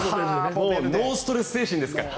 ノーストレス精神ですから。